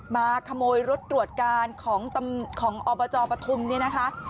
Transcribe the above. มาขโมยรถตรวจการของอบจปฐุมเนี่ยนะคะ